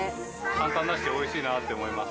簡単だし、おいしいなって思います。